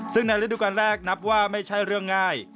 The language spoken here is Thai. ซึ่งในฤดูการแรกนับว่าไม่ใช่เรื่องง่าย